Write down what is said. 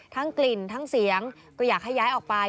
กลิ่นทั้งเสียงก็อยากให้ย้ายออกไป